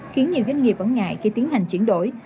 khiến nhiều doanh nghiệp vẫn ngại khi tiến hành chuyển đổi